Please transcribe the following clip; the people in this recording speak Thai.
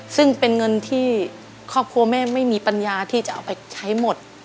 ซึ่งเป็นเงินที่ครอบครัวแม่ไม่มีปัญญาที่จะเอาไปใช้หมด